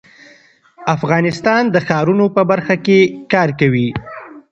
افغانستان د ښارونو په برخه کې کار کوي.